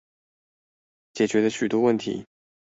解決了許多問題